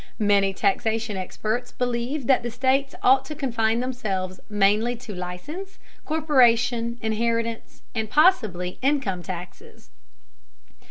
Many taxation experts believe that the states ought to confine themselves mainly to license, corporation, inheritance, and, possibly, income taxes.